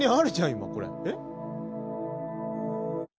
今これえ？